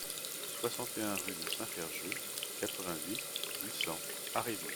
soixante et un rue de Saint-Ferjeux, quatre-vingt-huit, huit cents, Haréville